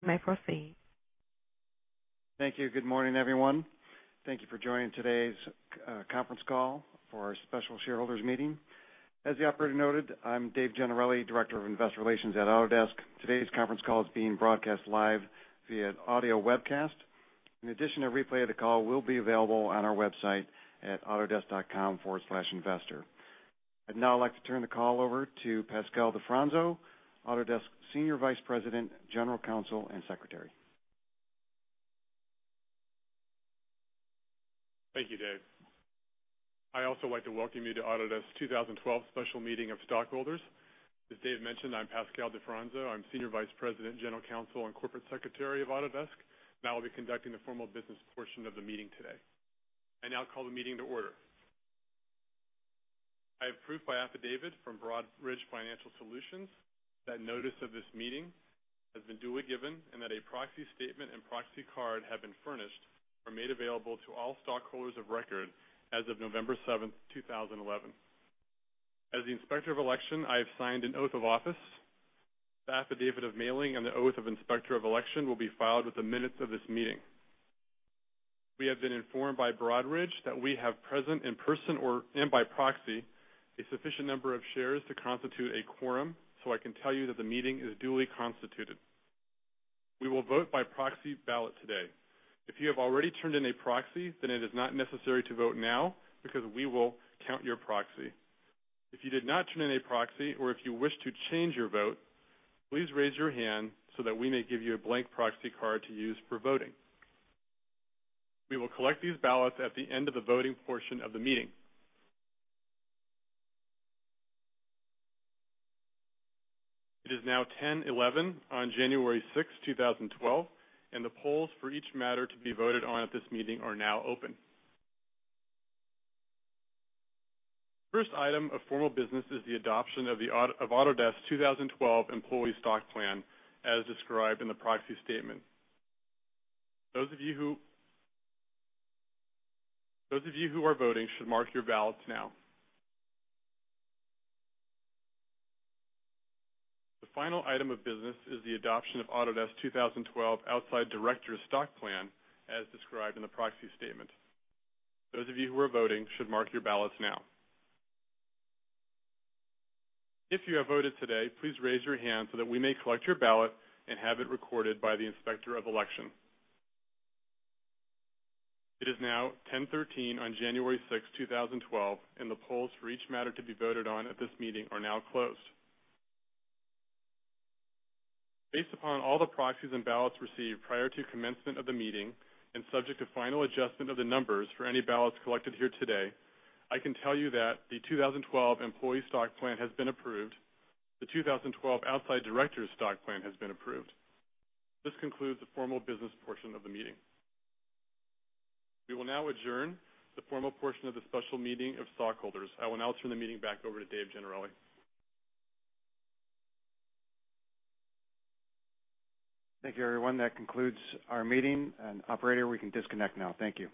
May proceed. Thank you. Good morning, everyone. Thank you for joining today's conference call for our special shareholders meeting. As the operator noted, I'm Dave Gennarelli, Director of Investor Relations at Autodesk. Today's conference call is being broadcast live via audio webcast. In addition, a replay of the call will be available on our website at autodesk.com/investor. I'd now like to turn the call over to Pascal Di Fronzo, Autodesk Senior Vice President, General Counsel, and Secretary. Thank you, Dave. I'd also like to welcome you to Autodesk's 2012 special meeting of stockholders. As Dave mentioned, I'm Pascal Di Fronzo. I'm Senior Vice President, General Counsel, and Corporate Secretary of Autodesk, and I will be conducting the formal business portion of the meeting today. I now call the meeting to order. I approve by affidavit from Broadridge Financial Solutions that notice of this meeting has been duly given and that a proxy statement and proxy card have been furnished or made available to all stockholders of record as of November 7, 2011. As the Inspector of Election, I have signed an oath of office. The affidavit of mailing and the oath of Inspector of Election will be filed with the minutes of this meeting. We have been informed by Broadridge that we have present in person and by proxy a sufficient number of shares to constitute a quorum, so I can tell you that the meeting is duly constituted. We will vote by proxy ballot today. If you have already turned in a proxy, then it is not necessary to vote now because we will count your proxy. If you did not turn in a proxy or if you wish to change your vote, please raise your hand so that we may give you a blank proxy card to use for voting. We will collect these ballots at the end of the voting portion of the meeting. It is now 10:11 A.M. on January 6, 2012, and the polls for each matter to be voted on at this meeting are now open. The first item of formal business is the adoption of the Autodesk 2012 Employee Stock Plan as described in the proxy statement. Those of you who are voting should mark your ballots now. The final item of business is the adoption of the Autodesk 2012 Outside Directors' Stock Plan as described in the proxy statement. Those of you who are voting should mark your ballots now. If you have voted today, please raise your hand so that we may collect your ballot and have it recorded by the Inspector of Election. It is now 10:13 A.M. on January 6, 2012, and the polls for each matter to be voted on at this meeting are now closed. Based upon all the proxies and ballots received prior to commencement of the meeting and subject to final adjustment of the numbers for any ballots collected here today, I can tell you that the 2012 Employee Stock Plan has been approved. The 2012 Outside Directors' Stock Plan has been approved. This concludes the formal business portion of the meeting. We will now adjourn the formal portion of the special meeting of stockholders. I will now turn the meeting back over to Dave Gennarelli. Thank you, everyone. That concludes our meeting. Operator, we can disconnect now. Thank you.